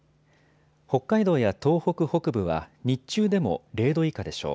北海道や東北北部は日中でも０度以下でしょう。